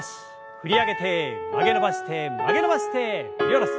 振り上げて曲げ伸ばして曲げ伸ばして振り下ろす。